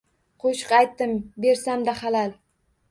Qoʼshiq aytdim, bersamda halal